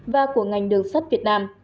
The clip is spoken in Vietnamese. và của ngành đường sắt việt nam